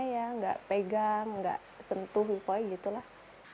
tidak pegang tidak sentuh gitu lah